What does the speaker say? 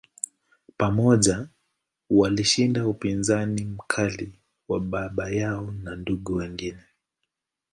Pamoja, walishinda upinzani mkali wa baba yao na ndugu wengine.